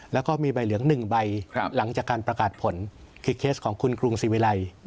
แล้วก็มีใบเหลือง๑ใบหลังจากการประกาศผลคือเคสของคุณกรุงศิวิลัย